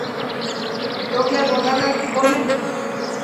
তোকে বোঝানো একটু কঠিন।